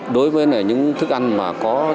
đối với những thức ăn mà có